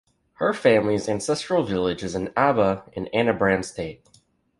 Her family's ancestral village is in Abba in Anambra State.